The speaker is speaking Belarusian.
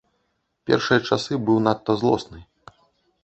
Першыя часы быў надта злосны.